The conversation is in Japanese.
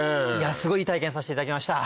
すごいいい体験させていただきました。